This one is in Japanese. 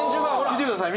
見てください。